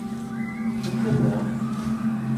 Anta ta?